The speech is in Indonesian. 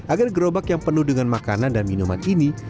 agar gerobak yang penuh dengan makanan dan minuman ini